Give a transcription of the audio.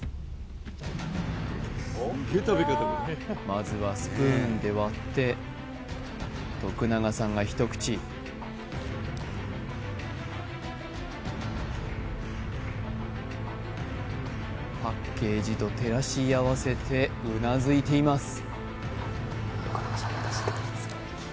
まずはスプーンで割って永さんが一口パッケージと照らし合わせてうなずいています